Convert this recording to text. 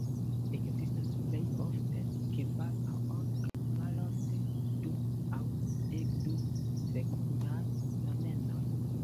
Ekzistas plej ofte kvar aŭ ok, malofte du aŭ dekdu fekundaj stamenoj.